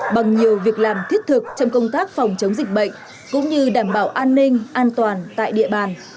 bằng nhiều việc làm thiết thực trong công tác phòng chống dịch bệnh cũng như đảm bảo an ninh an toàn tại địa bàn